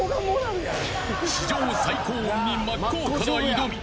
史上最高音に真っ向から挑み